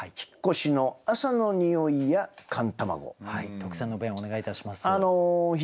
特選の弁をお願いいたします。